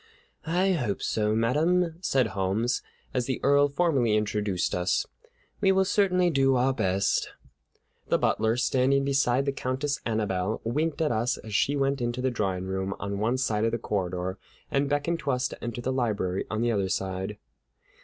"I hope so, madame," said Holmes, as the Earl formally introduced us. "We will certainly do our best." The butler, standing beside the Countess Annabelle, winked at us as she went into the drawing room on one side of the corridor, and beckoned to us to enter the library on the other side.